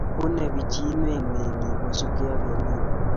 pine pichiinwek meng'iik kosupng'ei ak Elnino